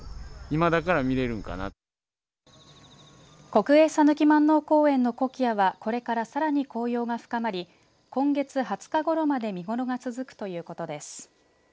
国営讃岐まんのう公園のコキアはこれからさらに紅葉が深まり今月２０日ごろまで見頃が続くということです。